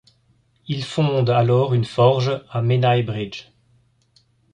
Il fonde alors une forge à Menai Bridge.